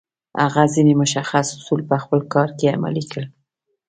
هغه ځينې مشخص اصول په خپل کار کې عملي کړل.